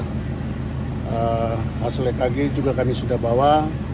hasil ekg juga kami sudah bawa